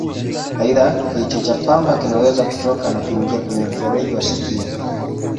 Aidha, kichwa cha pamba kinaweza kutoka na kuingia kwenye mfereji wa sikio.